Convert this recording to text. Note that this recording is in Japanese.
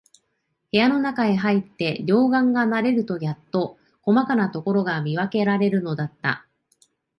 部屋のなかへ入って、両眼が慣れるとやっと、こまかなところが見わけられるのだった。